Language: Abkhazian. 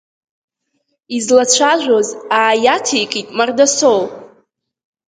Излацәажәоз ааиҭеикит Мардасоу.